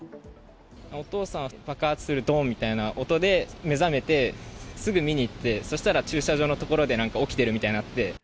お父さんは爆発するどんみたいな音で目覚めて、すぐ見に行って、そしたら駐車場の所でなんか起きてるみたいになって。